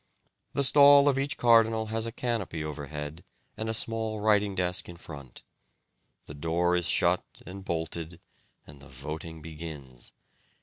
The stall of each cardinal has a canopy overhead and a small writing desk in front. The door is shut and bolted and the voting begins.